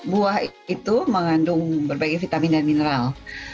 buah itu mengandung berbagai vitamin dan mineral